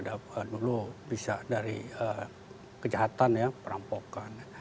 dulu bisa dari kejahatan ya perampokan